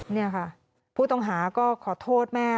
นี่ค่ะผู้ต้องหาก็ขอโทษแม่